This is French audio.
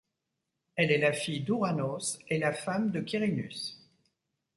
Elle est la fille d'Ouranos et la femme de Quirinus.